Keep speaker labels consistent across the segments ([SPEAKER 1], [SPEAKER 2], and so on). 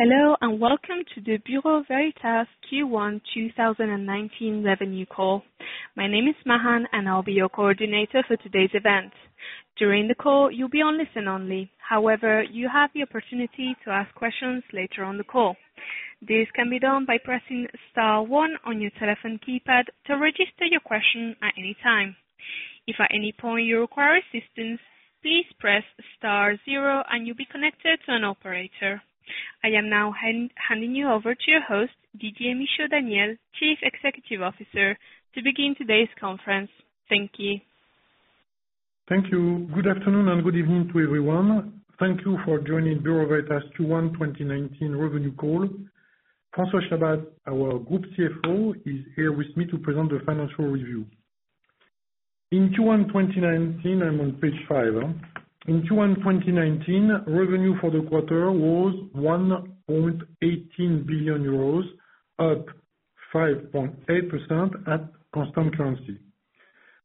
[SPEAKER 1] Hello, and welcome to the Bureau Veritas Q1 2019 Revenue Call. My name is Mahan, and I'll be your coordinator for today's event. During the call, you'll be on listen only. However, you have the opportunity to ask questions later on the call. This can be done by pressing star one on your telephone keypad to register your question at any time. If at any point you require assistance, please press star zero and you'll be connected to an operator. I am now handing you over to your host, Didier Michaud-Daniel, Chief Executive Officer, to begin today's conference. Thank you.
[SPEAKER 2] Thank you. Good afternoon and good evening to everyone. Thank you for joining Bureau Veritas Q1 2019 Revenue Call. François Chabas, our Group CFO, is here with me to present the financial review. In Q1 2019, I'm on page five. In Q1 2019, revenue for the quarter was 1.18 billion euros, up 5.8% at constant currency.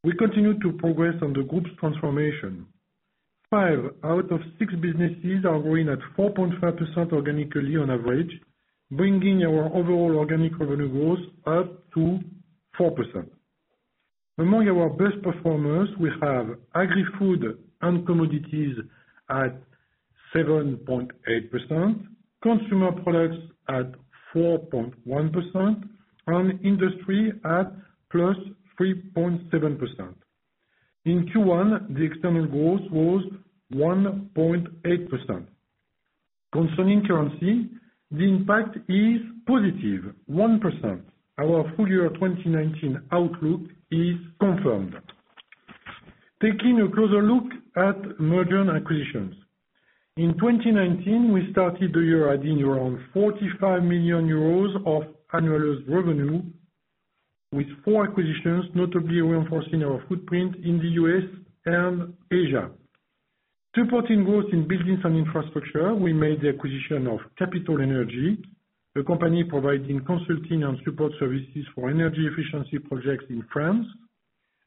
[SPEAKER 2] We continue to progress on the group's transformation. Five out of six businesses are growing at 4.5% organically on average, bringing our overall organic revenue growth up to 4%. Among our best performers, we have Agrifood and Commodities at 7.8%, Consumer Products at 4.1%, and Industry at +3.7%. In Q1, the external growth was 1.8%. Concerning currency, the impact is positive, 1%. Our full year 2019 outlook is confirmed. Taking a closer look at merger and acquisitions. In 2019, we started the year adding around 45 million euros of annualized revenue with four acquisitions, notably reinforcing our footprint in the U.S. and Asia. Supporting growth in Buildings & Infrastructure, we made the acquisition of Capital Energy, a company providing consulting and support services for energy efficiency projects in France,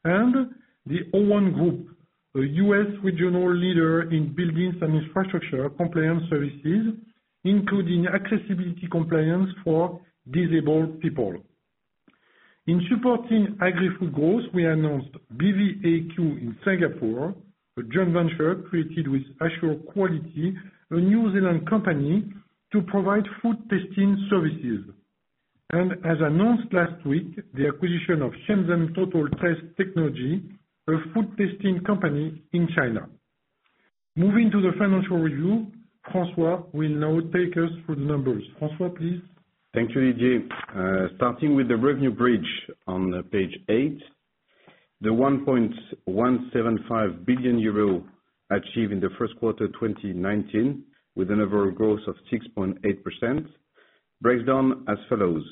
[SPEAKER 2] and the Owen Group, a U.S. regional leader in Buildings & Infrastructure compliance services, including accessibility compliance for disabled people. In supporting Agri-Food growth, we announced BVAQ in Singapore, a joint venture created with AsureQuality, a New Zealand company, to provide food testing services. And as announced last week, the acquisition of Shenzhen Total-Test Technology, a food testing company in China. Moving to the financial review, François will now take us through the numbers. François, please.
[SPEAKER 3] Thank you, Didier. Starting with the revenue bridge on page eight. The 1.175 billion euro achieved in the first quarter 2019, with an overall growth of 6.8%, breaks down as follows.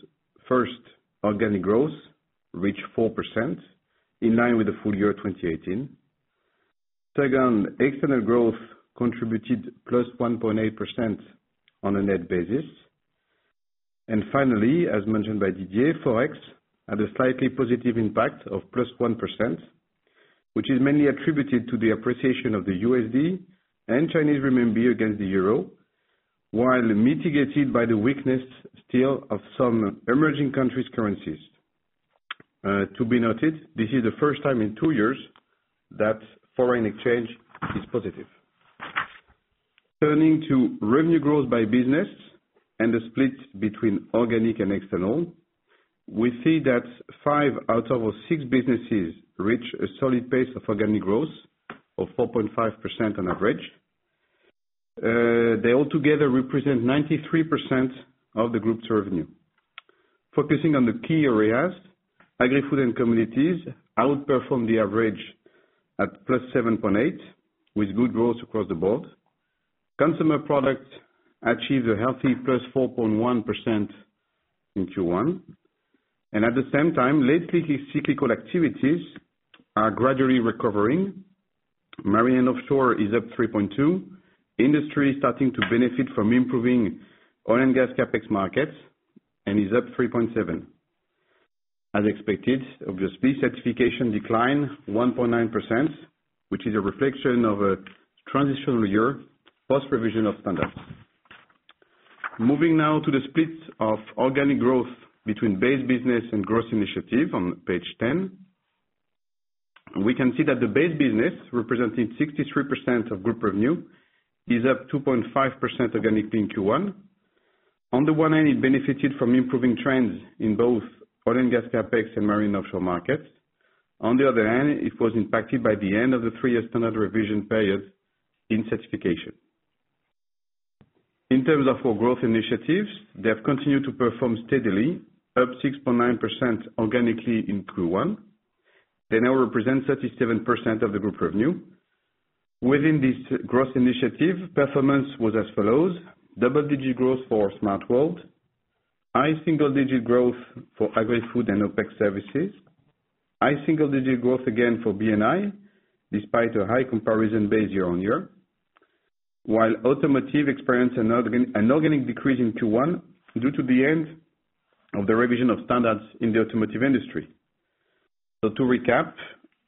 [SPEAKER 3] First, organic growth reached 4%, in line with the full year 2018. Second, external growth contributed +1.8% on a net basis. Finally, as mentioned by Didier, Forex had a slightly positive impact of +1%, which is mainly attributed to the appreciation of the USD and Chinese renminbi against the euro, while mitigated by the weakness still of some emerging countries' currencies. To be noted, this is the first time in two years that foreign exchange is positive. Turning to revenue growth by business and the split between organic and external, we see that five out of our six businesses reach a solid pace of organic growth of 4.5% on average. They altogether represent 93% of the group's revenue. Focusing on the key areas, Agrifood and Commodities outperformed the average at +7.8%, with good growth across the board. Consumer Products achieved a healthy +4.1% in Q1. At the same time, lately, cyclical activities are gradually recovering. Marine & Offshore is up 3.2%. Industry is starting to benefit from improving oil and gas CapEx markets, and is up 3.7%. As expected, obviously, Certification declined 1.9%, which is a reflection of a transitional year post revision of standards. Moving now to the split of organic growth between base business and growth initiative on page 10. We can see that the base business, representing 63% of group revenue, is up 2.5% organically in Q1. On the one hand, it benefited from improving trends in both oil and gas CapEx and Marine & Offshore markets. On the other hand, it was impacted by the end of the three-year standard revision period in Certification. In terms of our growth initiatives, they have continued to perform steadily, up 6.9% organically in Q1. They now represent 37% of the group revenue. Within this growth initiative, performance was as follows: double-digit growth for Smart World, high single-digit growth for Agri-Food and OPEX services, high single-digit growth again for B&I, despite a high comparison base year-on-year, while Automotive experienced an organic decrease in Q1 due to the end of the revision of standards in the automotive industry. To recap,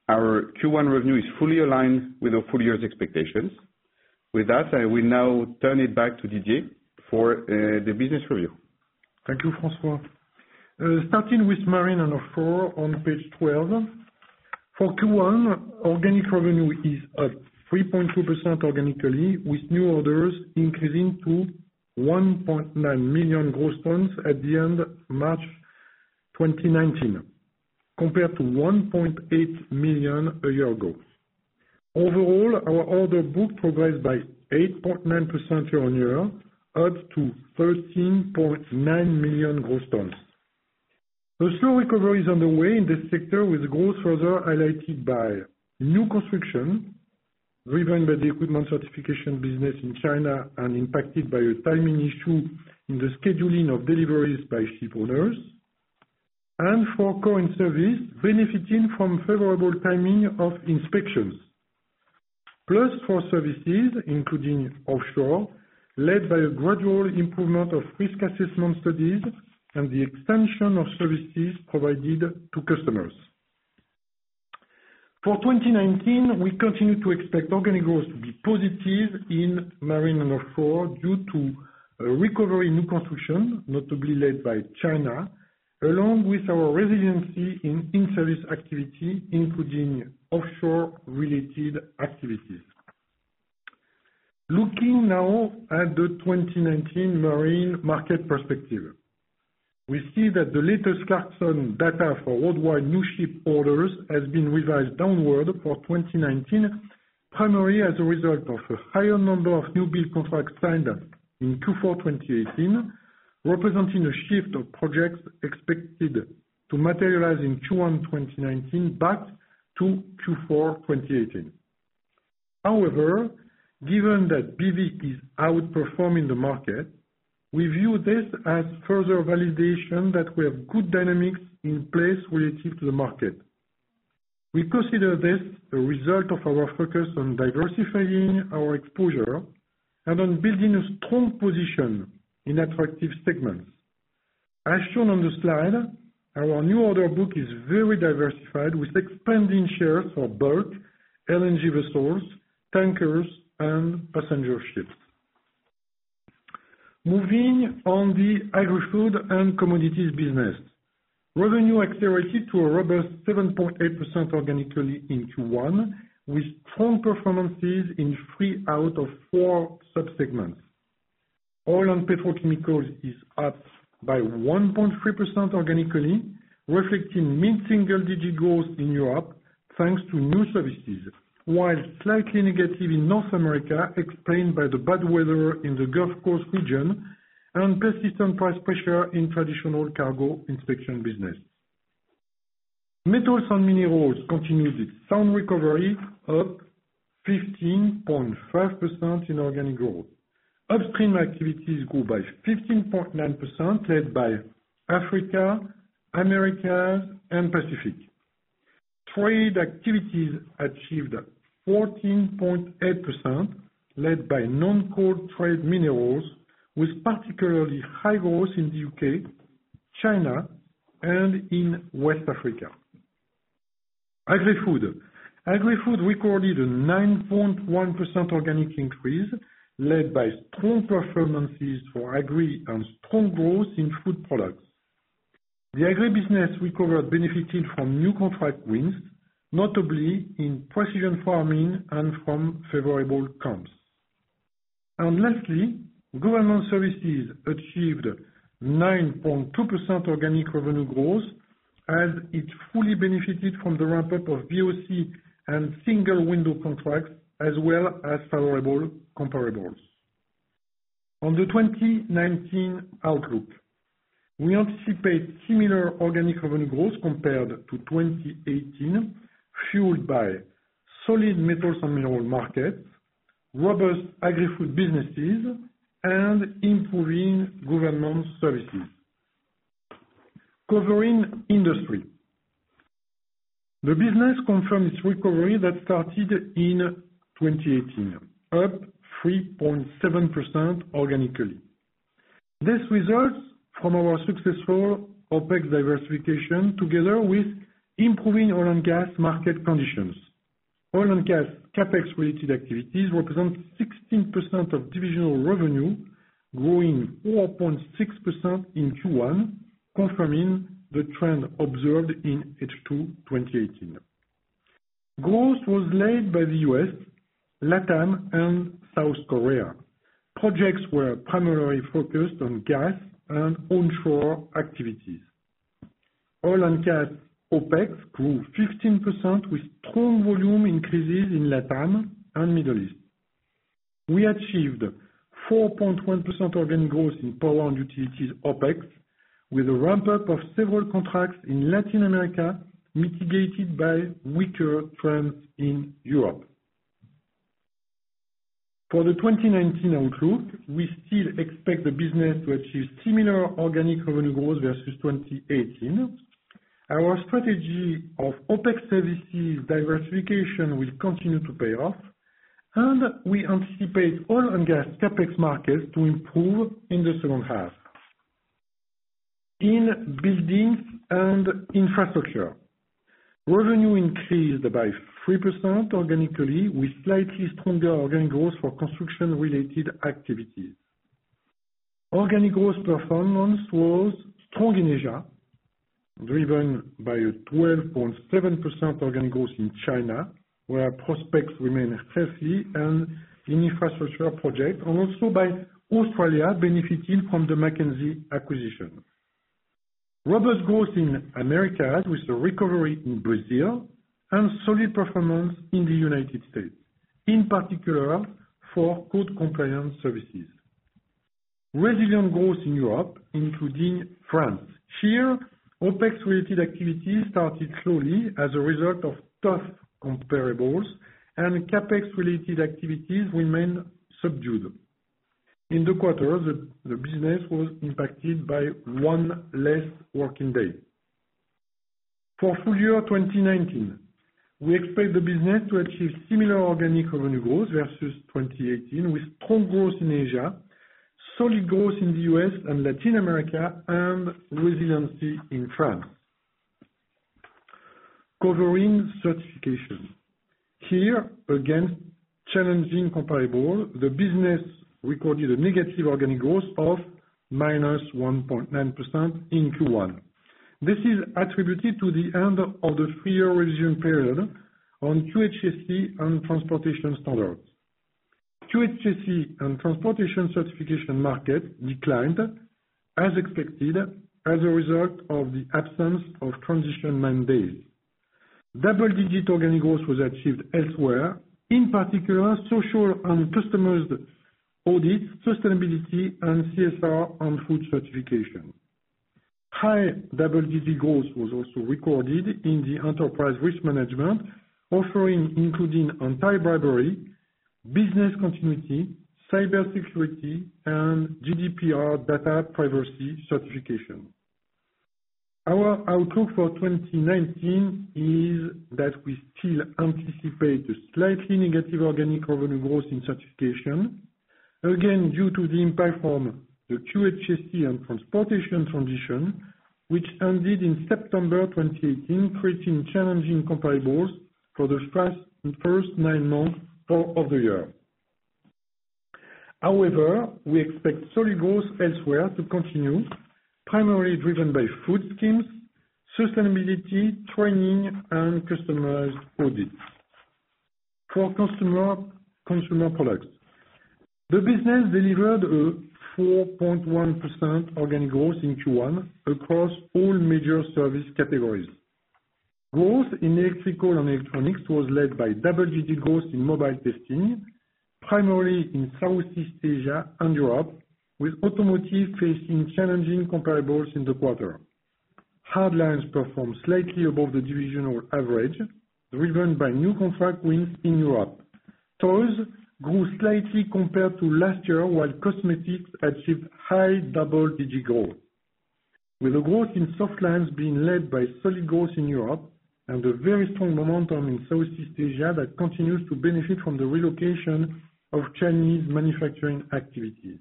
[SPEAKER 3] our Q1 revenue is fully aligned with our full year's expectations. With that, I will now turn it back to Didier for the business review.
[SPEAKER 2] Thank you, François. Starting with Marine & Offshore on page 12. For Q1, organic revenue is up 3.2% organically, with new orders increasing to 1.9 million gross tons at the end March 2019, compared to 1.8 million a year ago. Overall, our order book progressed by 8.9% year-on-year, up to 13.9 million gross tons. A slow recovery is underway in this sector, with growth further highlighted by new construction, driven by the equipment Certification business in China and impacted by a timing issue in the scheduling of deliveries by ship owners, and for current service benefiting from favorable timing of inspections. Plus for services including offshore, led by a gradual improvement of risk assessment studies and the expansion of services provided to customers. For 2019, we continue to expect organic growth to be positive in Marine & Offshore due to a recovery in new construction, notably led by China, along with our resiliency in in-service activity, including offshore-related activities. Looking now at the 2019 Marine market perspective. We see that the latest Clarksons data for worldwide new ship orders has been revised downward for 2019, primarily as a result of a higher number of new build contracts signed in Q4 2018, representing a shift of projects expected to materialize in Q1 2019 back to Q4 2018. However, given that BV is outperforming the market, we view this as further validation that we have good dynamics in place relative to the market. We consider this a result of our focus on diversifying our exposure and on building a strong position in attractive segments. As shown on the slide, our new order book is very diversified, with expanding shares for bulk, LNG resource, tankers, and passenger ships. Moving on the Agrifood and Commodities business. Revenue accelerated to a robust 7.8% organically in Q1, with strong performances in three out of four sub-segments. Oil and petrochemicals is up by 1.3% organically, reflecting mid-single digit growth in Europe, thanks to new services, while slightly negative in North America, explained by the bad weather in the Gulf Coast region and persistent price pressure in traditional cargo inspection business. Metals and Minerals continued its sound recovery, up 15.5% in organic growth. Upstream activities grew by 15.9%, led by Africa, Americas, and Pacific. Trade activities achieved 14.8%, led by non-core trade minerals, with particularly high growth in the U.K., China, and in West Africa. Agri-Food. Agri-Food recorded a 9.1% organic increase, led by strong performances for Agri and strong growth in food products. The Agri business recovered, benefiting from new contract wins, notably in precision farming and from favorable comps. Lastly, government services achieved 9.2% organic revenue growth, as it fully benefited from the ramp-up of VOC and Single Window contracts, as well as favorable comparables. On the 2019 outlook, we anticipate similar organic revenue growth compared to 2018, fueled by solid metals and minerals markets, robust Agri-Food businesses, and improving government services. Covering Industry. The business confirms its recovery that started in 2018, up 3.7% organically. This results from our successful OPEX diversification together with improving oil and gas market conditions. Oil and gas CapEx related activities represent 16% of divisional revenue, growing 4.6% in Q1, confirming the trend observed in H2 2018. Growth was led by the U.S., LATAM, and South Korea. Projects were primarily focused on gas and onshore activities. Oil and gas OPEX grew 15% with strong volume increases in LATAM and Middle East. We achieved 4.1% organic growth in power and utilities OPEX, with a ramp-up of several contracts in Latin America, mitigated by weaker trends in Europe. For the 2019 outlook, we still expect the business to achieve similar organic revenue growth versus 2018. Our strategy of OPEX services diversification will continue to pay off, and we anticipate oil and gas CapEx markets to improve in the second half. In Buildings & Infrastructure, revenue increased by 3% organically, with slightly stronger organic growth for construction-related activities. Organic growth performance was strong in Asia, driven by a 12.7% organic growth in China, where prospects remain healthy in infrastructure projects, and also by Australia benefiting from the McKenzie acquisition. Robust growth in Americas, with a recovery in Brazil and solid performance in the United States, in particular for code compliance services. Resilient growth in Europe, including France. Here, OPEX-related activities started slowly as a result of tough comparables and CapEx-related activities remain subdued. In the quarter, the business was impacted by one less working day. For full year 2019, we expect the business to achieve similar organic revenue growth versus 2018, with strong growth in Asia, solid growth in the U.S. and Latin America, and resiliency in France. Covering Certification. Here, against challenging comparable, the business recorded a negative organic growth of -1.9% in Q1. This is attributed to the end of the three-year revision period on QHSE and transportation standards. QHSE and transportation certification market declined as expected as a result of the absence of transition mandates. Double-digit organic growth was achieved elsewhere, in particular social and customers' audits, sustainability, and CSR and food certification. High double-digit growth was also recorded in the enterprise risk management offering, including anti-bribery, business continuity, cybersecurity, and GDPR data privacy certification. Our outlook for 2019 is that we still anticipate a slightly negative organic revenue growth in Certification, again, due to the impact from the QHSE and transportation transition, which ended in September 2018, creating challenging comparables for the first nine months of the year. However, we expect solid growth elsewhere to continue, primarily driven by food schemes, sustainability, training, and customized audits. For Consumer Products, the business delivered a 4.1% organic growth in Q1 across all major service categories. Growth in electrical and electronics was led by double-digit growth in mobile testing, primarily in Southeast Asia and Europe, with Automotive facing challenging comparables in the quarter. Hardlines performed slightly above the divisional average, driven by new contract wins in Europe. Toys grew slightly compared to last year, while cosmetics achieved high double-digit growth, with a growth in softlines being led by solid growth in Europe and a very strong momentum in Southeast Asia that continues to benefit from the relocation of Chinese manufacturing activities.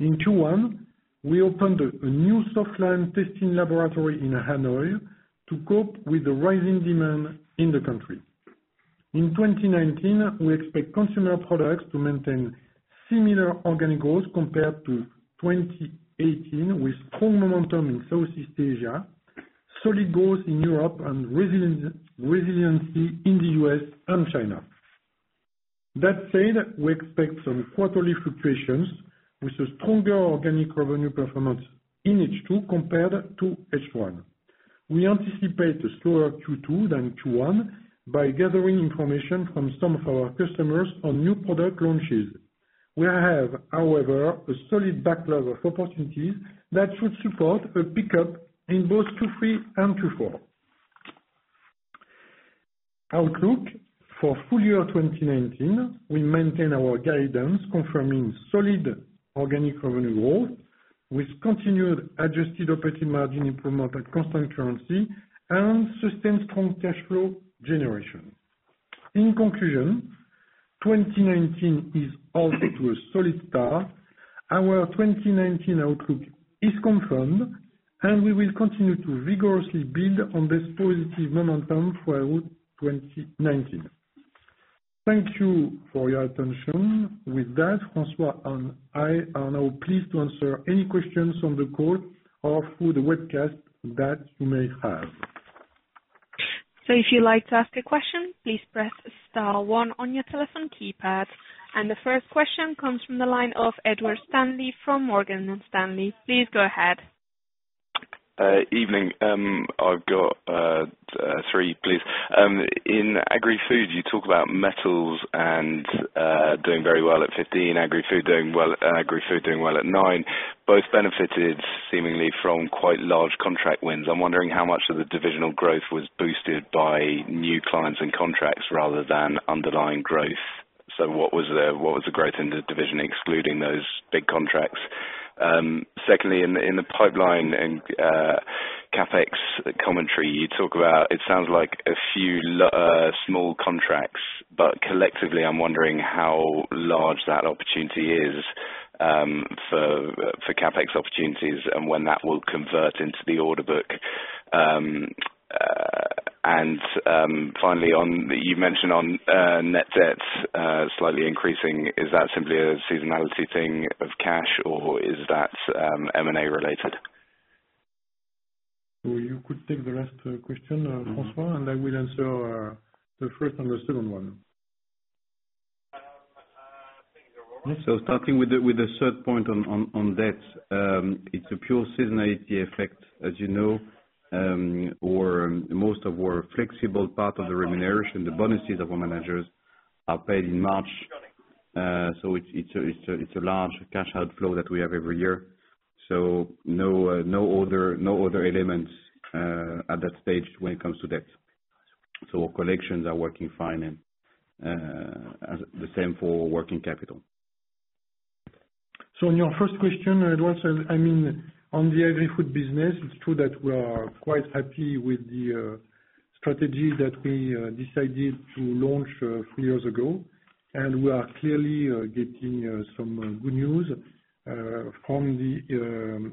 [SPEAKER 2] In Q1, we opened a new softline testing laboratory in Hanoi to cope with the rising demand in the country. In 2019, we expect Consumer Products to maintain similar organic growth compared to 2018, with strong momentum in Southeast Asia, solid growth in Europe, and resiliency in the U.S. and China. That said, we expect some quarterly fluctuations with a stronger organic revenue performance in H2 compared to H1. We anticipate a slower Q2 than Q1 by gathering information from some of our customers on new product launches. We have, however, a solid backlog of opportunities that should support a pickup in both Q3 and Q4. Outlook for full year 2019, we maintain our guidance confirming solid organic revenue growth with continued adjusted operating margin improvement at constant currency and sustained strong cash flow generation. In conclusion, 2019 is off to a solid start. Our 2019 outlook is confirmed, and we will continue to vigorously build on this positive momentum throughout 2019. Thank you for your attention. With that, François and I are now pleased to answer any questions on the call or through the webcast that you may have.
[SPEAKER 1] If you'd like to ask a question, please press star one on your telephone keypad. The first question comes from the line of Ed Stanley from Morgan Stanley. Please go ahead.
[SPEAKER 4] Evening. I've got three, please. In Agri-Food, you talk about metals and doing very well at 15, Agri-Food doing well at nine. Both benefited seemingly from quite large contract wins. I'm wondering how much of the divisional growth was boosted by new clients and contracts rather than underlying growth. What was the growth in the division excluding those big contracts? Secondly, in the pipeline and CapEx commentary. You talk about, it sounds like a few small contracts, but collectively, I'm wondering how large that opportunity is for CapEx opportunities and when that will convert into the order book. Finally, you've mentioned on net debt slightly increasing. Is that simply a seasonality thing of cash, or is that M&A related?
[SPEAKER 2] You could take the last question, François, I will answer the first and the second one.
[SPEAKER 3] Starting with the third point on debt. It's a pure seasonality effect, as you know. Most of our flexible part of the remuneration, the bonuses of our managers, are paid in March. It's a large cash outflow that we have every year. No other elements at that stage when it comes to debt. Collections are working fine and the same for working capital.
[SPEAKER 2] On your first question, Edward, on the Agri-Food business, it's true that we are quite happy with the strategy that we decided to launch a few years ago, we are clearly getting some good news from the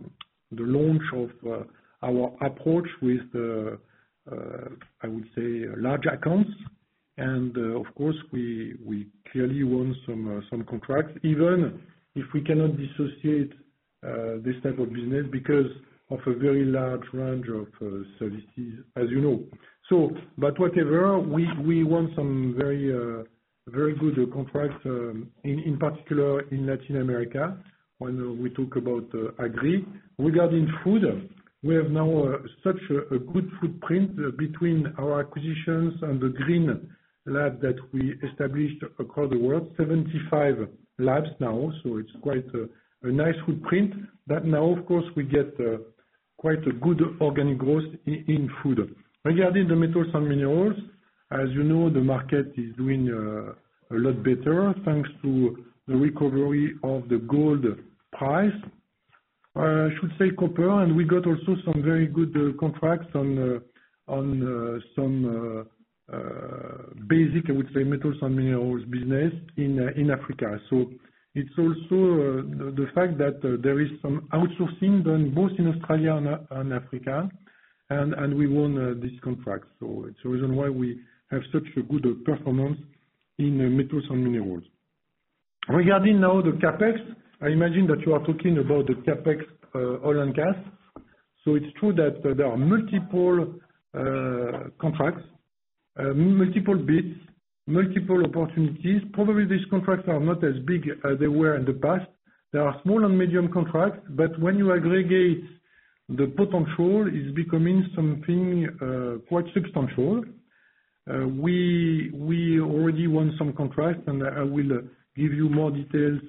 [SPEAKER 2] launch of our approach with the, I would say, large accounts. Of course, we clearly won some contracts, even if we cannot dissociate this type of business because of a very large range of services, as you know. Whatever, we won some very good contracts, in particular in Latin America, when we talk about Agri. Regarding food, we have now such a good footprint between our acquisitions and the green lab that we established across the world, 75 labs now. It's quite a nice footprint that now, of course, we get quite a good organic growth in food. Regarding the metals and minerals, as you know, the market is doing a lot better, thanks to the recovery of the gold price. I should say copper. We got also some very good contracts on some basic, I would say, metals and minerals business in Africa. It's also the fact that there is some outsourcing done both in Australia and Africa, and we won this contract. It's the reason why we have such a good performance in metals and minerals. Regarding now the CapEx, I imagine that you are talking about the CapEx oil and gas. It's true that there are multiple contracts, multiple bids, multiple opportunities. Probably these contracts are not as big as they were in the past. There are small and medium contracts, but when you aggregate the potential, it's becoming something quite substantial. We already won some contracts. I will give you more details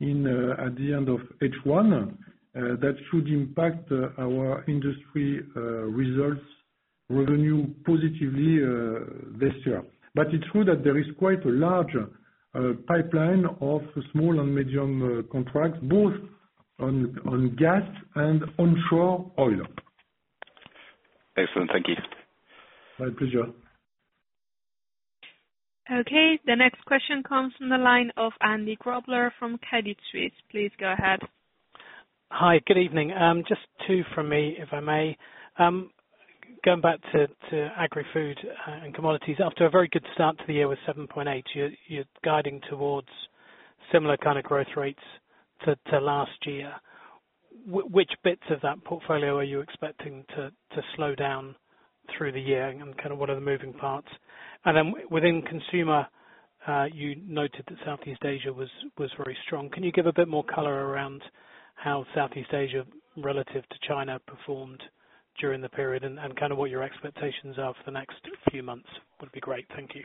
[SPEAKER 2] at the end of H1. That should impact our industry results revenue positively this year. It's true that there is quite a large pipeline of small and medium contracts, both on gas and onshore oil.
[SPEAKER 4] Excellent. Thank you.
[SPEAKER 2] My pleasure.
[SPEAKER 1] The next question comes from the line of Andrew Grobler from Credit Suisse. Please go ahead.
[SPEAKER 5] Hi, good evening. Just two from me, if I may. Going back to Agri-Food and Commodities. After a very good start to the year with 7.8%, you're guiding towards similar kind of growth rates to last year. Which bits of that portfolio are you expecting to slow down through the year, and kind of what are the moving parts? Within consumer, you noted that Southeast Asia was very strong. Can you give a bit more color around how Southeast Asia relative to China performed during the period, and kind of what your expectations are for the next few months would be great. Thank you.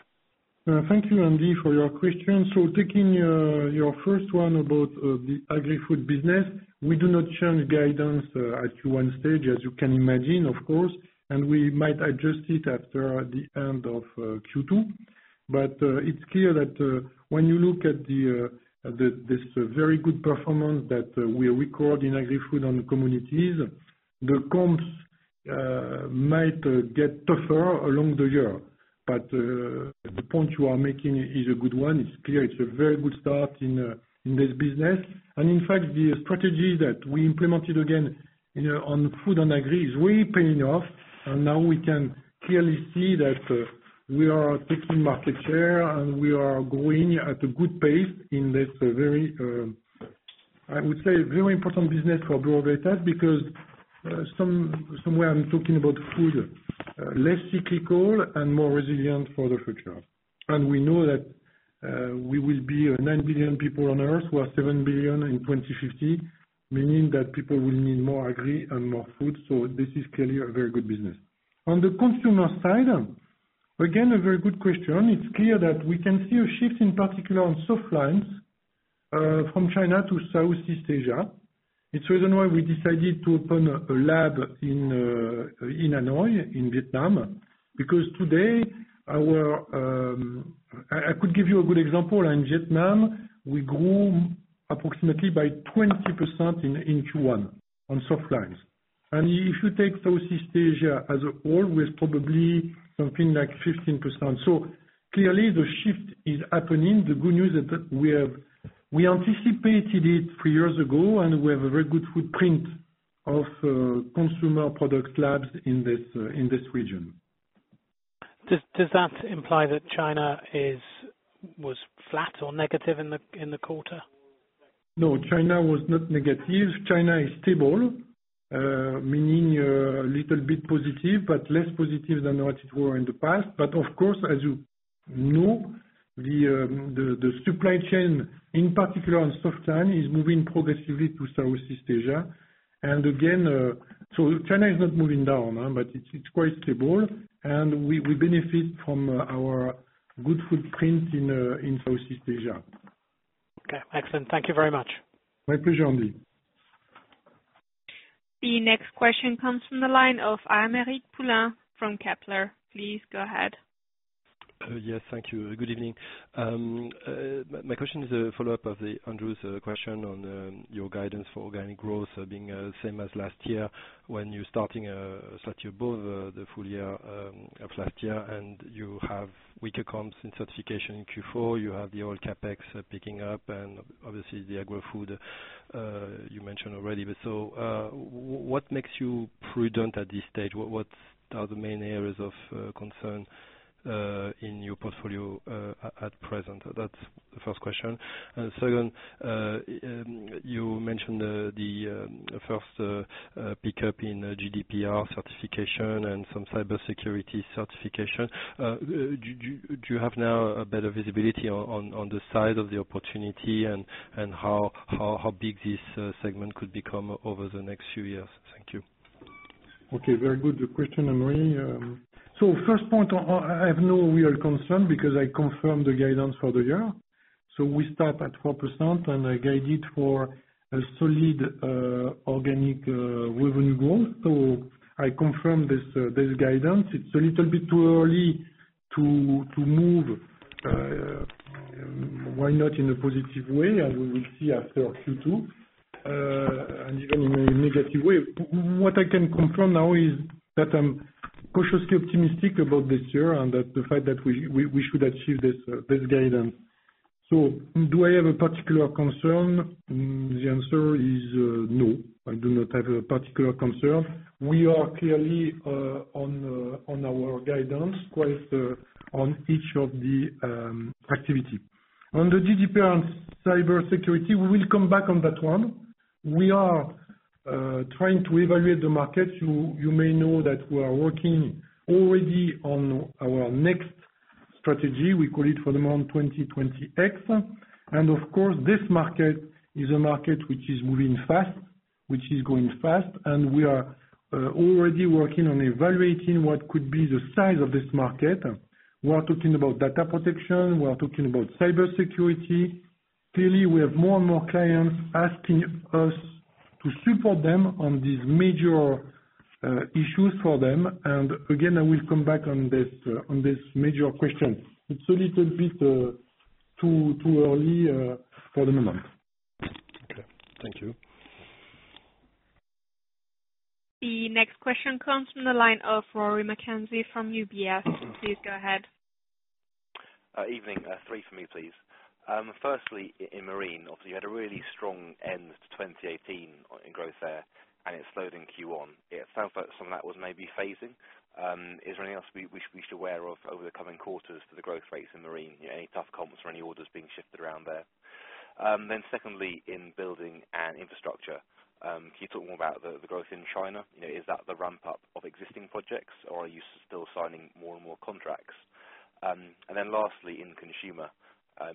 [SPEAKER 2] Thank you, Andy, for your question. Taking your first one about the Agri-Food business, we do not change guidance at Q1 stage, as you can imagine, of course. We might adjust it after the end of Q2. It's clear that when you look at this very good performance that we record in Agri-Food and Commodities, the comps might get tougher along the year. The point you are making is a good one. It's clear it's a very good start in this business. In fact, the strategy that we implemented again on food and agri is really paying off. Now we can clearly see that we are taking market share, and we are growing at a good pace in this very important business for Bureau Veritas, because somewhere I'm talking about food, less cyclical and more resilient for the future. We know that we will be 9 billion people on Earth. We are 7 billion in 2050, meaning that people will need more agri and more food. This is clearly a very good business. On the consumer side, again, a very good question. It's clear that we can see a shift in particular on softlines from China to Southeast Asia. It's the reason why we decided to open a lab in Hanoi, in Vietnam, because today I could give you a good example. In Vietnam, we grew approximately by 20% in Q1 on soft lines. If you take Southeast Asia as a whole, with probably something like 15%. Clearly the shift is happening. The good news that we anticipated it 3 years ago, and we have a very good footprint of consumer product labs in this region.
[SPEAKER 5] Does that imply that China was flat or negative in the quarter?
[SPEAKER 2] No, China was not negative. China is stable, meaning a little bit positive, but less positive than what it were in the past. Of course, as you know, the supply chain, in particular on soft line, is moving progressively to Southeast Asia. Again, China is not moving down, but it is quite stable, and we benefit from our good footprint in Southeast Asia.
[SPEAKER 5] Okay. Excellent. Thank you very much.
[SPEAKER 2] My pleasure, Andy.
[SPEAKER 1] The next question comes from the line of Aymeric Poulain from Kepler. Please go ahead.
[SPEAKER 6] Yes, thank you. Good evening. My question is a follow-up of Andrew's question on your guidance for organic growth being the same as last year when you're starting the full year of last year, and you have weaker comps in Certification in Q4, you have the old CapEx picking up, and obviously the Agri-Food you mentioned already. What makes you prudent at this stage? What are the main areas of concern in your portfolio at present? That's the first question. Second, you mentioned the first pickup in GDPR certification and some cybersecurity certification. Do you have now a better visibility on the side of the opportunity and how big this segment could become over the next few years? Thank you.
[SPEAKER 2] Okay. Very good question, Aymeric. First point, I have no real concern because I confirmed the guidance for the year. We start at 4% and I guide it for a solid organic revenue growth. I confirm this guidance. It's a little bit too early to move, why not in a positive way, and we will see after Q2, and even in a negative way. What I can confirm now is that I'm cautiously optimistic about this year and that the fact that we should achieve this guidance. Do I have a particular concern? The answer is no, I do not have a particular concern. We are clearly on our guidance, quite on each of the activity. On the GDPR and cybersecurity, we will come back on that one. We are trying to evaluate the market. You may know that we are working already on our next strategy. We call it for the moment 2020 X. Of course, this market is a market which is moving fast, which is growing fast, and we are already working on evaluating what could be the size of this market. We are talking about data protection. We are talking about cybersecurity. Clearly, we have more and more clients asking us to support them on these major issues for them. Again, I will come back on this major question. It's a little bit too early for the moment.
[SPEAKER 6] Okay. Thank you.
[SPEAKER 1] The next question comes from the line of Rory McKenzie from UBS. Please go ahead.
[SPEAKER 7] Evening. Three for me, please. Firstly, in Marine, obviously you had a really strong end to 2018 in growth there, and it slowed in Q1. It sounds like some of that was maybe phasing. Is there anything else we should be aware of over the coming quarters to the growth rates in Marine? Any tough comps or any orders being shifted around there? Secondly, in Buildings & Infrastructure, can you talk more about the growth in China? Is that the ramp-up of existing projects or are you still signing more and contracts? Lastly, in Consumer,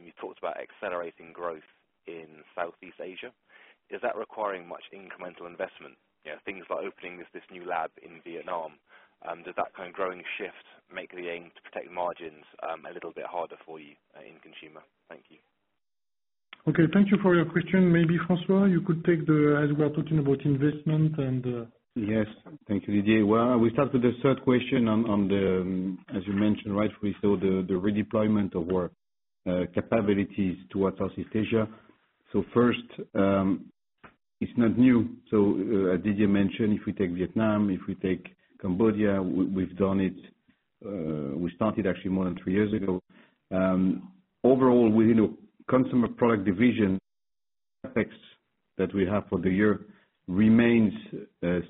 [SPEAKER 7] you talked about accelerating growth in Southeast Asia. Is that requiring much incremental investment? Things like opening this new lab in Vietnam. Does that kind of growing shift make the aim to protect margins a little bit harder for you in Consumer? Thank you.
[SPEAKER 2] Okay. Thank you for your question. Maybe François, you could take. As we are talking about investment.
[SPEAKER 3] Yes. Thank you, Didier. We start with the third question on the, as you mentioned rightfully so, the redeployment of our capabilities towards Southeast Asia. First, it's not new. As Didier mentioned, if we take Vietnam, if we take Cambodia, we've done it. We started actually more than three years ago. Overall, within a Consumer Products division, effects that we have for the year remains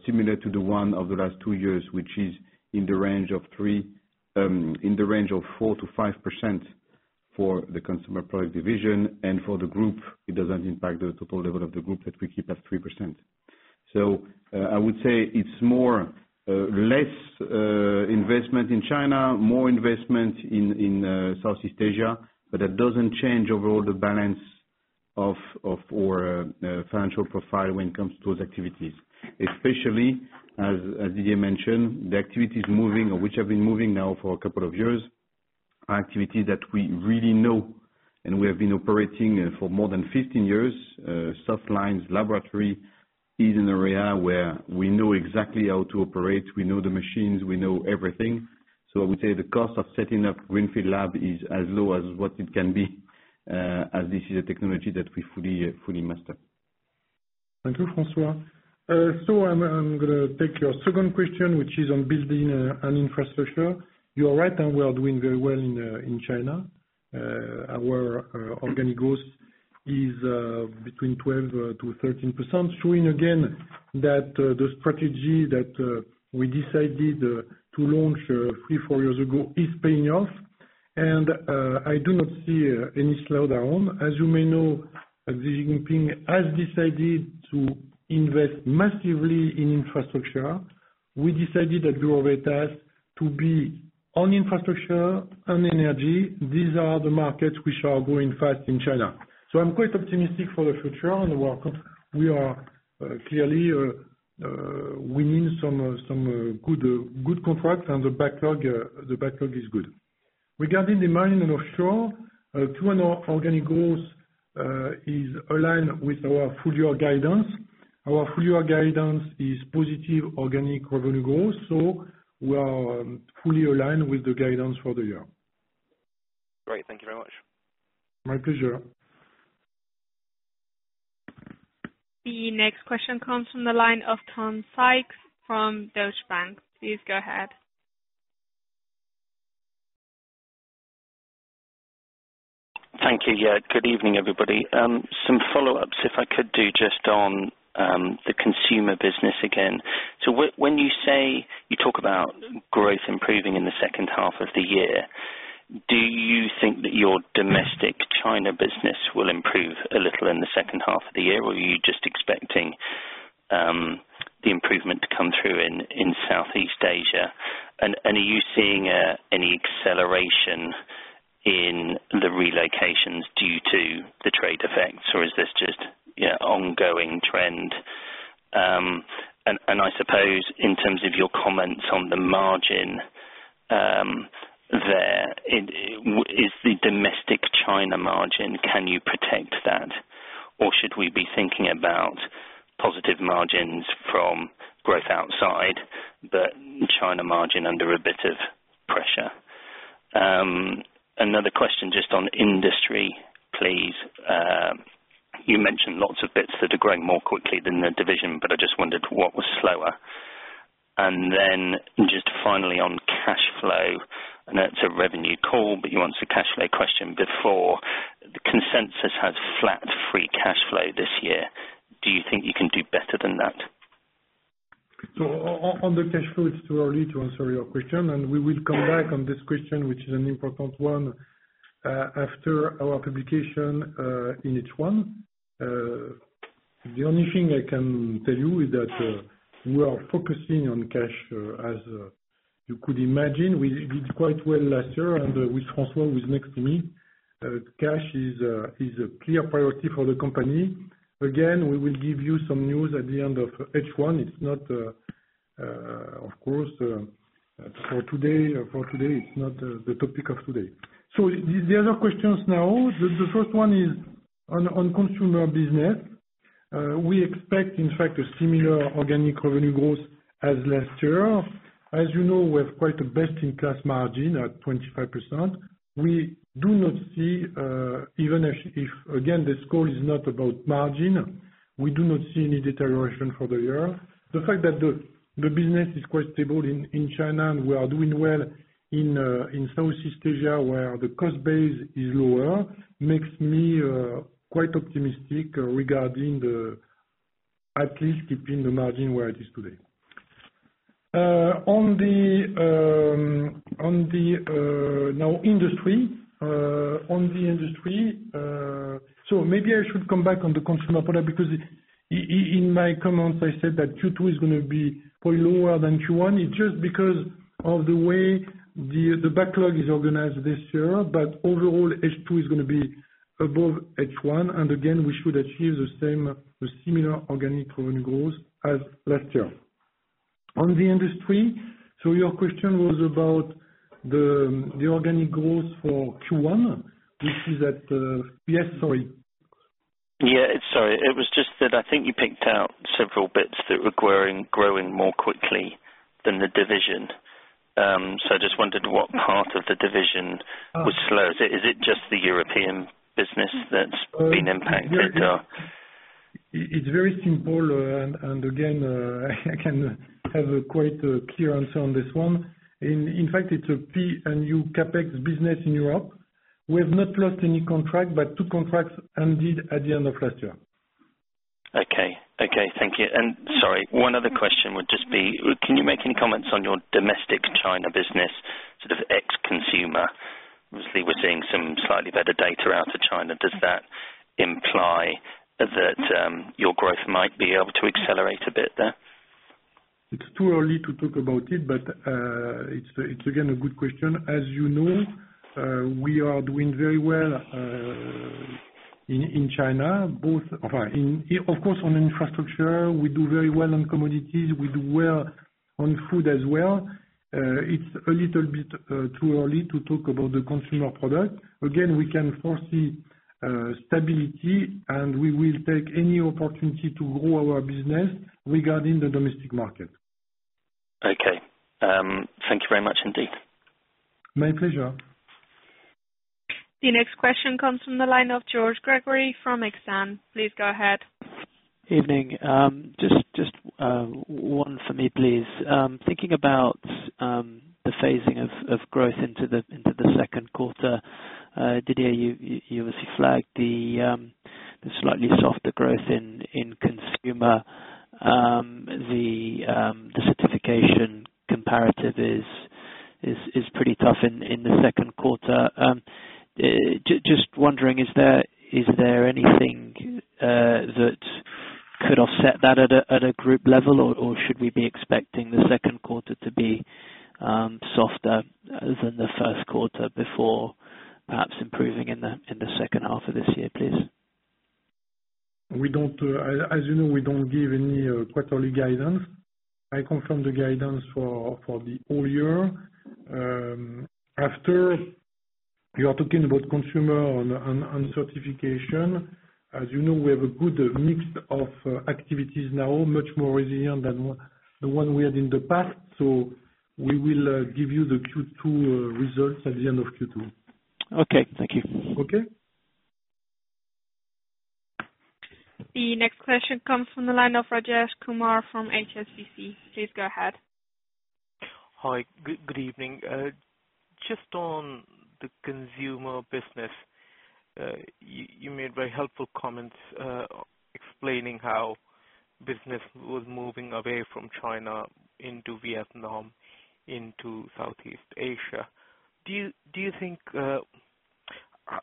[SPEAKER 3] similar to the one of the last two years, which is in the range of 4%-5% for the Consumer Products division, and for the group, it doesn't impact the total level of the group that we keep at 3%. I would say it's more less investment in China, more investment in Southeast Asia. That doesn't change overall the balance of our financial profile when it comes to those activities. Especially, as Didier mentioned, the activities moving, or which have been moving now for a couple of years, are activities that we really know, and we have been operating for more than 15 years. Soft lines laboratory is an area where we know exactly how to operate. We know the machines, we know everything. I would say the cost of setting up Greenfield lab is as low as what it can be, as this is a technology that we fully master.
[SPEAKER 2] Thank you, François. I'm going to take your second question, which is on Buildings & Infrastructure. You are right that we are doing very well in China. Our organic growth is between 12%-13%, showing again that the strategy that we decided to launch three, four years ago is paying off. I do not see any slowdown. As you may know, Xi Jinping has decided to invest massively in infrastructure. We decided at Bureau Veritas to be on infrastructure and energy. These are the markets which are growing fast in China. I'm quite optimistic for the future, and we are clearly winning some good contracts, and the backlog is good. Regarding the Marine & Offshore, organic growth is aligned with our full-year guidance. Our full-year guidance is positive organic revenue growth. We are fully aligned with the guidance for the year.
[SPEAKER 7] Great. Thank you very much.
[SPEAKER 2] My pleasure.
[SPEAKER 1] The next question comes from the line of Tom Sykes from Deutsche Bank. Please go ahead.
[SPEAKER 8] Thank you. Good evening, everybody. Some follow-ups, if I could do just on the consumer business again. When you talk about growth improving in the second half of the year, do you think that your domestic China business will improve a little in the second half of the year, or are you just expecting the improvement to come through in Southeast Asia? Are you seeing any acceleration in the relocations due to the trade effects, or is this just ongoing trend? I suppose in terms of your comments on the margin, is the domestic China margin, can you protect that? Or should we be thinking about positive margins from growth outside but China margin under a bit of pressure? Another question just on industry, please. You mentioned lots of bits that are growing more quickly than the division, but I just wondered what was slower. Then just finally on cash flow, and that's a revenue call, but you answered a cash flow question before. The consensus had flat free cash flow this year. Do you think you can do better than that?
[SPEAKER 2] On the cash flow, it's too early to answer your question, and we will come back on this question, which is an important one, after our publication in H1. The only thing I can tell you is that we are focusing on cash, as you could imagine. We did quite well last year, and with François, who is next to me, cash is a clear priority for the company. Again, we will give you some news at the end of H1. It's not, of course for today, it's not the topic of today. The other questions now, the first one is on consumer business. We expect, in fact, a similar organic revenue growth as last year. As you know, we have quite a best-in-class margin at 25%. We do not see, even if, again, this call is not about margin, we do not see any deterioration for the year. The fact that the business is quite stable in China and we are doing well in Southeast Asia, where the cost base is lower, makes me quite optimistic regarding at least keeping the margin where it is today. Industry, on the Industry. Maybe I should come back on the Consumer Products, because in my comments, I said that Q2 is going to be probably lower than Q1. It's just because of the way the backlog is organized this year. Overall, H2 is going to be above H1, and again, we should achieve the same or similar organic revenue growth as last year. On the Industry, your question was about the organic growth for Q1, which is that Yes, sorry.
[SPEAKER 8] Yeah, sorry. It was just that I think you picked out several bits that were growing more quickly than the division. I just wondered what part of the division was slow. Is it just the European business that's been impacted?
[SPEAKER 2] It's very simple. Again, I can have a quite clear answer on this one. In fact, it's a P&U CapEx business in Europe. We have not lost any contract, but two contracts ended at the end of last year.
[SPEAKER 8] Okay. Thank you. Sorry, one other question would just be, can you make any comments on your domestic China business, sort of ex-consumer? Obviously, we're seeing some slightly better data out of China. Does that imply that your growth might be able to accelerate a bit there?
[SPEAKER 2] It's too early to talk about it. It's again, a good question. As you know, we are doing very well in China, of course, on infrastructure. We do very well on commodities. We do well on food as well. It's a little bit too early to talk about the Consumer Products. Again, we can foresee stability. We will take any opportunity to grow our business regarding the domestic market.
[SPEAKER 8] Okay. Thank you very much indeed.
[SPEAKER 2] My pleasure.
[SPEAKER 1] The next question comes from the line of George Gregory from Exane. Please go ahead.
[SPEAKER 9] Evening. Just one for me, please. Thinking about the phasing of growth into the second quarter. Didier, you obviously flagged the slightly softer growth in consumer. The certification comparative is pretty tough in the second quarter. Just wondering, is there anything that could offset that at a group level? Or should we be expecting the second quarter to be softer than the first quarter before perhaps improving in the second half of this year, please?
[SPEAKER 2] As you know, we don't give any quarterly guidance. I confirm the guidance for the whole year. After, you are talking about consumer and certification. As you know, we have a good mix of activities now, much more resilient than the one we had in the past. We will give you the Q2 results at the end of Q2.
[SPEAKER 9] Okay, thank you.
[SPEAKER 2] Okay.
[SPEAKER 1] The next question comes from the line of Rajesh Kumar from HSBC. Please go ahead.
[SPEAKER 10] Hi, good evening. Just on the consumer business. You made very helpful comments explaining how business was moving away from China into Vietnam, into Southeast Asia.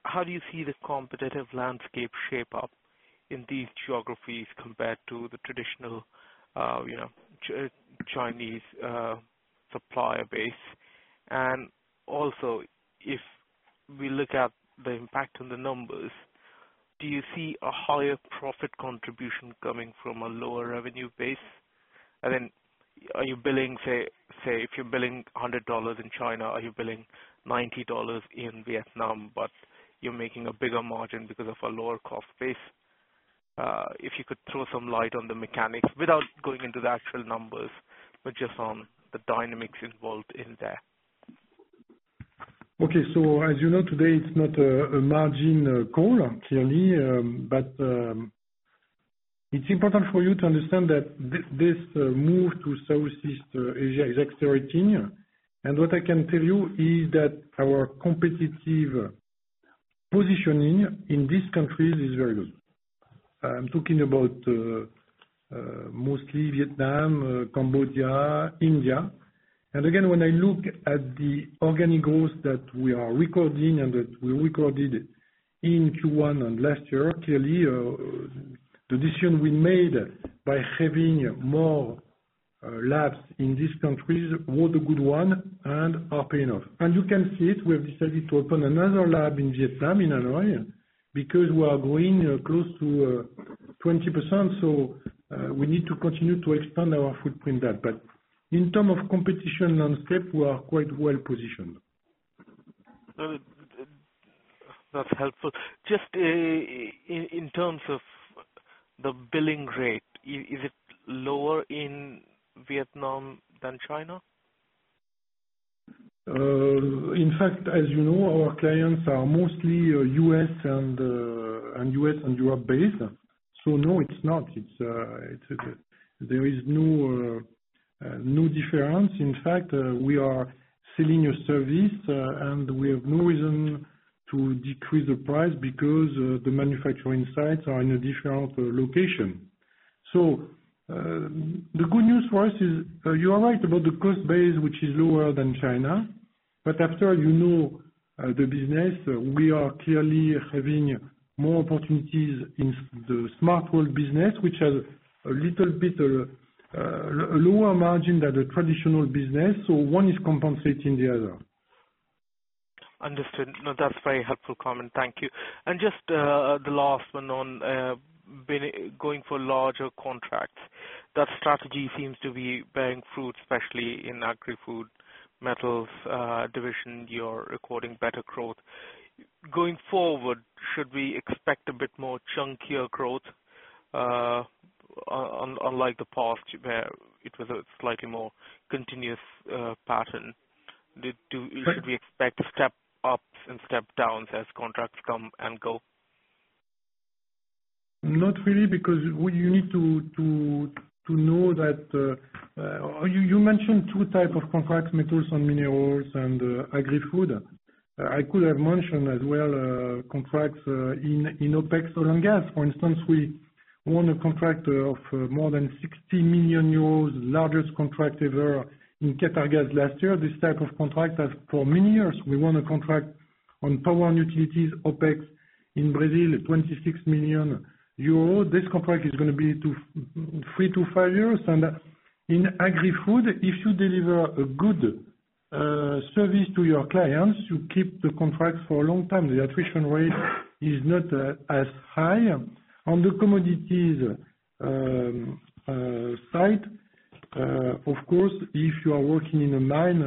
[SPEAKER 10] How do you see the competitive landscape shape up in these geographies compared to the traditional Chinese supplier base? Also, if we look at the impact on the numbers, do you see a higher profit contribution coming from a lower revenue base? Then, say, if you're billing EUR 100 in China, are you billing EUR 90 in Vietnam, but you're making a bigger margin because of a lower cost base? If you could throw some light on the mechanics, without going into the actual numbers, but just on the dynamics involved in there.
[SPEAKER 2] Okay. As you know today, it's not a margin call, clearly. It's important for you to understand that this move to Southeast Asia is accelerating. What I can tell you is that our competitive positioning in these countries is very good. I'm talking about mostly Vietnam, Cambodia, India. Again, when I look at the organic growth that we are recording and that we recorded in Q1 and last year, clearly, the decision we made by having more labs in these countries was a good one and are paying off. You can see it. We have decided to open another lab in Vietnam in Hanoi, because we are growing close to 20%. We need to continue to expand our footprint there. But in terms of competition landscape, we are quite well positioned.
[SPEAKER 10] That's helpful. Just in terms of the billing rate, is it lower in Vietnam than China?
[SPEAKER 2] In fact, as you know, our clients are mostly U.S. and Europe-based. No, it's not. There is no difference. In fact, we are selling a service, and we have no reason to decrease the price because the manufacturing sites are in a different location. The good news for us is, you are right about the cost base, which is lower than China. After, you know the business, we are clearly having more opportunities in the Smart World business, which has a little bit lower margin than the traditional business. One is compensating the other.
[SPEAKER 10] Understood. No, that's a very helpful comment. Thank you. Just the last one on going for larger contracts. That strategy seems to be bearing fruit, especially in Agri-Food, metals division. You're recording better growth. Going forward, should we expect a bit more chunkier growth? Unlike the past, where it was a slightly more continuous pattern. Should we expect step-ups and step-downs as contracts come and go?
[SPEAKER 2] Not really, because you need to know that you mentioned two type of contracts, metals and minerals and Agri-Food. I could have mentioned as well, contracts in OPEX oil and gas. For instance, we won a contract of more than 60 million euros, largest contract ever in Qatargas last year. This type of contract has for many years. We won a contract on Power and Utilities OPEX in Brazil, 26 million euros. This contract is going to be three to five years. In Agri-Food, if you deliver a good service to your clients, you keep the contract for a long time. The attrition rate is not as high. On the Commodities side, of course, if you are working in a mine,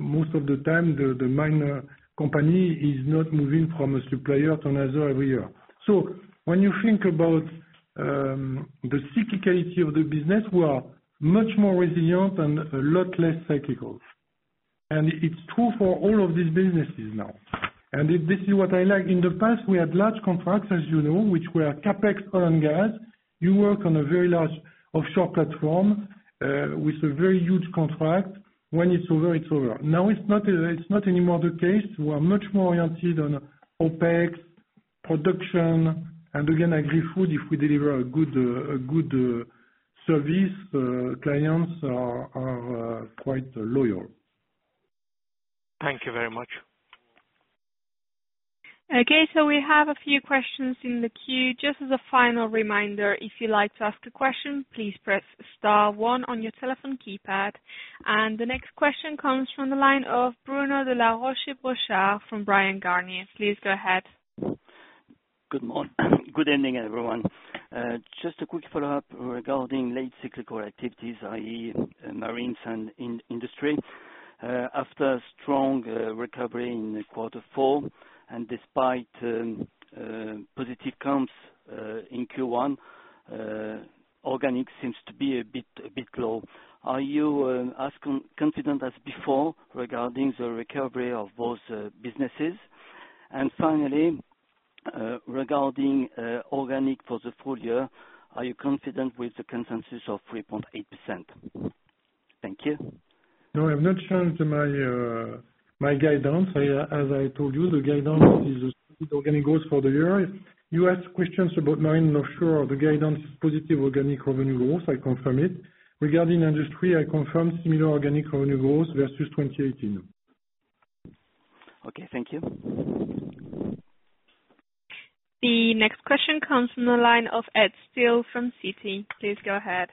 [SPEAKER 2] most of the time, the mine company is not moving from a supplier to another every year. When you think about the cyclicality of the business, we are much more resilient and a lot less cyclical. It's true for all of these businesses now. This is what I like. In the past, we had large contracts, as you know, which were CapEx oil and gas. You work on a very large offshore platform with a very huge contract. When it's over, it's over. Now it's not anymore the case. We are much more oriented on OPEX, production, and again, Agri-Food, if we deliver a good service, clients are quite loyal.
[SPEAKER 10] Thank you very much.
[SPEAKER 1] We have a few questions in the queue. Just as a final reminder, if you'd like to ask a question, please press star 1 on your telephone keypad. The next question comes from the line of Bruno de La Rochebrochard from Bryan, Garnier. Please go ahead.
[SPEAKER 11] Good evening, everyone. Just a quick follow-up regarding late cyclical activities, i.e., marines and Industry. After strong recovery in quarter four and despite positive comps in Q1, organic seems to be a bit low. Are you as confident as before regarding the recovery of those businesses? Finally, regarding organic for the full year, are you confident with the consensus of 3.8%? Thank you.
[SPEAKER 2] No, I've not changed my guidance. As I told you, the guidance is organic growth for the year. You asked questions about marine, offshore. The guidance is positive organic revenue growth, I confirm it. Regarding Industry, I confirm similar organic revenue growth versus 2018.
[SPEAKER 11] Okay, thank you.
[SPEAKER 1] The next question comes from the line of Edward Steele from Citi. Please go ahead.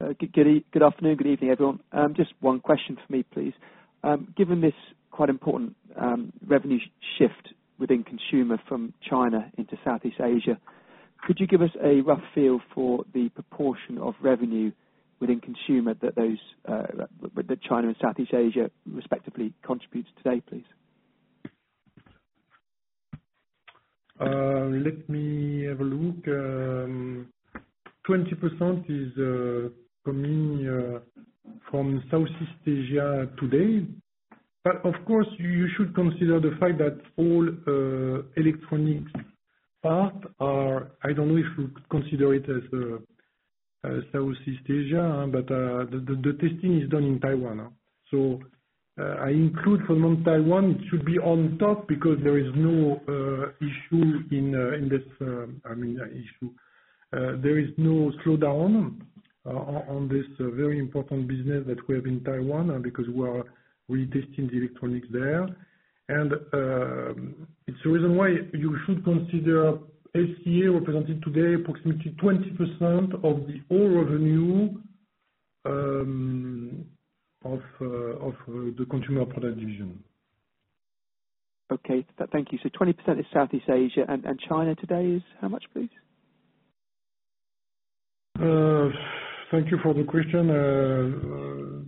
[SPEAKER 12] Good afternoon, good evening, everyone. Just one question for me, please. Given this quite important revenue shift within Consumer Products from China into Southeast Asia, could you give us a rough feel for the proportion of revenue within Consumer Products that China and Southeast Asia respectively contribute today, please?
[SPEAKER 2] Let me have a look. 20% is coming from Southeast Asia today. Of course, you should consider the fact that all electronics parts are, I don't know if you consider it as Southeast Asia, but the testing is done in Taiwan. I include for non-Taiwan, it should be on top because there is no slowdown on this very important business that we have in Taiwan because we are really testing the electronics there. It's the reason why you should consider SEA represented today approximately 20% of the whole revenue of the Consumer Products division.
[SPEAKER 12] Thank you. 20% is Southeast Asia, China today is how much, please?
[SPEAKER 2] Thank you for the question.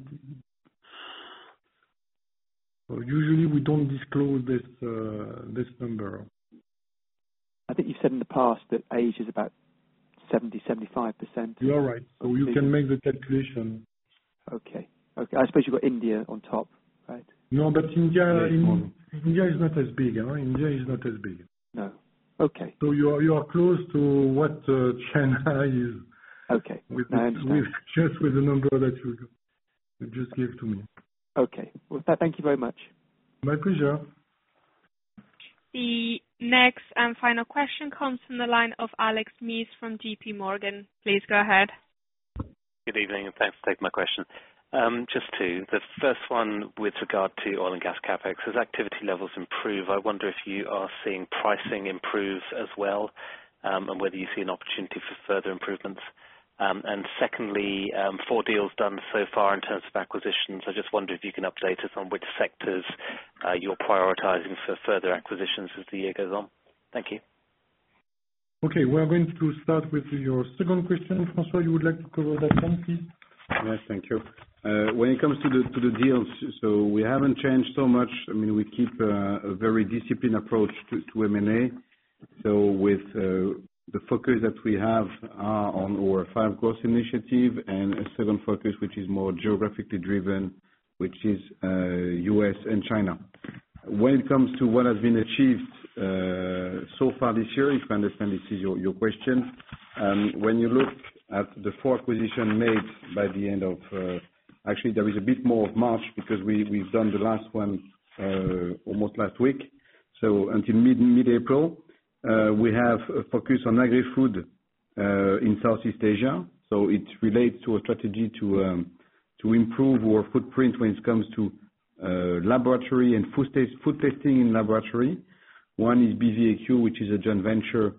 [SPEAKER 2] Usually, we don't disclose this number.
[SPEAKER 12] I think you've said in the past that Asia's about 70%, 75%.
[SPEAKER 2] You are right. You can make the calculation.
[SPEAKER 12] Okay. I suppose you've got India on top, right?
[SPEAKER 2] No, India is not as big.
[SPEAKER 12] No. Okay.
[SPEAKER 2] You are close to what China is.
[SPEAKER 12] Okay. No, I understand.
[SPEAKER 2] Just with the number that you just gave to me.
[SPEAKER 12] Okay. Thank you very much.
[SPEAKER 2] My pleasure.
[SPEAKER 1] The next and final question comes from the line of Alexander Mees from J.P. Morgan. Please go ahead.
[SPEAKER 13] Good evening. Thanks for taking my question. Just two. The first one with regard to oil and gas CapEx. As activity levels improve, I wonder if you are seeing pricing improve as well, whether you see an opportunity for further improvements. Secondly, four deals done so far in terms of acquisitions. I just wonder if you can update us on which sectors you're prioritizing for further acquisitions as the year goes on. Thank you.
[SPEAKER 2] Okay. We are going to start with your second question. François, you would like to cover that one, please?
[SPEAKER 3] Yes, thank you. When it comes to the deals, we haven't changed so much. I mean, we keep a very disciplined approach to M&A. With the focus that we have on our five growth initiative and a second focus, which is more geographically driven, which is U.S. and China. When it comes to what has been achieved so far this year, if I understand this is your question, when you look at the four acquisitions made by the end of Actually, there is a bit more of March because we've done the last one almost last week. Until mid-April, we have a focus on Agri-Food in Southeast Asia. It relates to a strategy to improve our footprint when it comes to laboratory and food testing in laboratory. One is BVAQ, which is a joint venture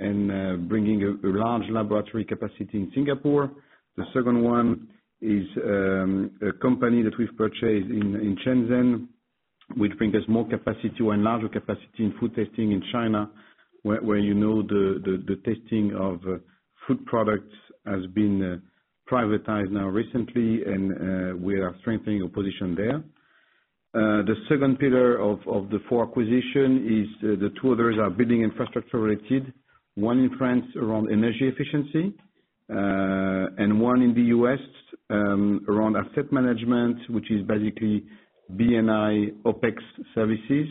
[SPEAKER 3] in bringing a large laboratory capacity in Singapore. The second one is a company that we've purchased in Shenzhen, which brings us more capacity or a larger capacity in food testing in China, where you know the testing of food products has been privatized now recently, and we are strengthening our position there. The second pillar of the four acquisition is the two others are building infrastructure related, one in France around energy efficiency, and one in the U.S. around asset management, which is basically B&I OpEx services,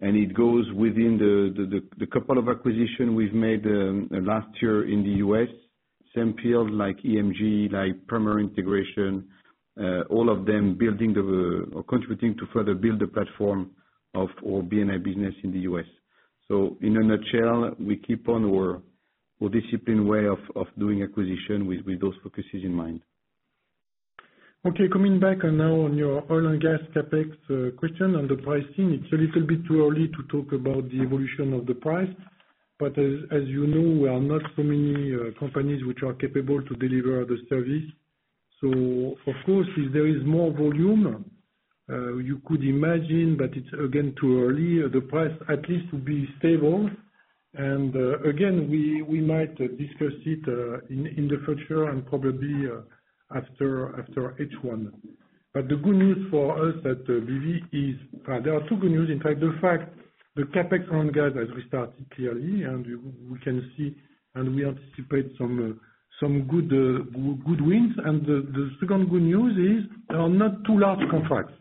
[SPEAKER 3] and it goes within the couple of acquisition we've made last year in the U.S. Same field like EMG Corporation, like Primary Integration, all of them contributing to further build the platform of our B&I business in the U.S. In a nutshell, we keep on our disciplined way of doing acquisition with those focuses in mind.
[SPEAKER 2] Coming back now on your oil and gas CapEx question and the pricing. It's a little bit too early to talk about the evolution of the price. As you know, we are not so many companies which are capable to deliver the service. Of course, if there is more volume, you could imagine that it's again too early, the price at least to be stable. Again, we might discuss it in the future and probably after H1. The good news for us at BV is. There are two good news, in fact. The fact the CapEx on gas has restarted clearly, and we can see and we anticipate some good wins. The second good news is, there are not too large contracts.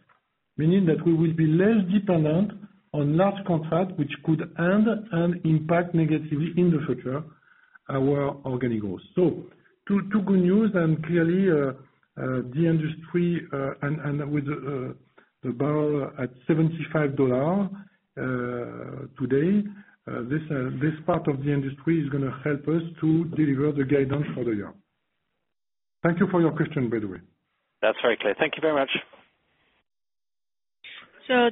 [SPEAKER 2] Meaning that we will be less dependent on large contracts, which could end and impact negatively in the future our organic growth. Two good news. Clearly, the industry, and with the barrel at $75 today, this part of the industry is going to help us to deliver the guidance for the year. Thank you for your question, by the way.
[SPEAKER 13] That's very clear. Thank you very much.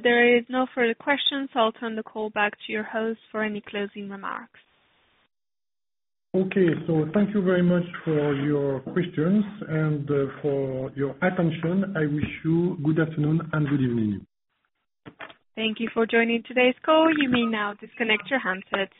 [SPEAKER 1] There is no further questions. I'll turn the call back to your host for any closing remarks.
[SPEAKER 2] Okay. Thank you very much for your questions and for your attention. I wish you good afternoon and good evening.
[SPEAKER 1] Thank you for joining today's call. You may now disconnect your handsets.